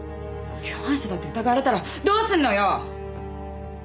共犯者だって疑われたらどうするのよ！